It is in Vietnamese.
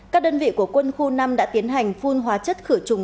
các đơn vị của quân khu năm đã tiến hành phun hóa chất khử trùng